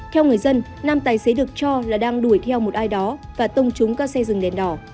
theo người dân nam tài xế được cho là đang đuổi theo một ai đó và tông trúng các xe dừng đèn đỏ